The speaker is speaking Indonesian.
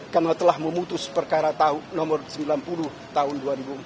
karena telah memutus perkara nomor sembilan puluh tahun dua ribu dua puluh tiga